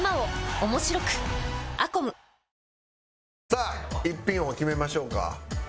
さあ一品王を決めましょうか。